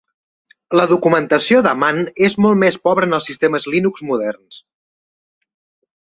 La documentació de man és molt més pobra en els sistemes Linux moderns.